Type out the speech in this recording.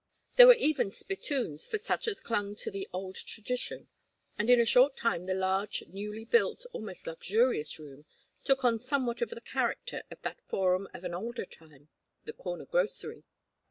There were even spittoons for such as clung to the old tradition; and in a short time the large newly built, almost luxurious room took on somewhat of the character of that forum of an older time, the corner grocery.